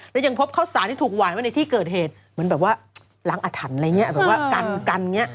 แล้วยังพบข้าวสารที่ถูกหวานไว้ในที่เกิดเหตุเหมือนแบบว่าล้างอาถรรพ์อะไรอย่างนี้แบบว่ากันกันอย่างนี้